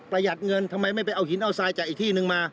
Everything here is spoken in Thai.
หัดเงินทำไมไม่ไปเอาหินเอาทรายจากอีกที่นึงมา